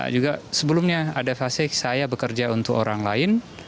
juga sebelumnya ada fase saya bekerja untuk orang lain